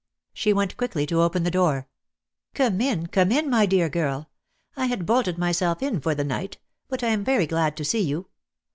She went quickly to open the door. "Come in, come in, my dear girl. I had bolted myself in for the night; but I am very glad to see you.